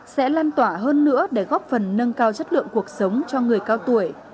sẽ lan tỏa hơn nữa để góp phần nâng cao chất lượng cuộc sống cho người cao tuổi